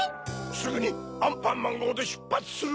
すぐにアンパンマンごうでしゅっぱつするよ！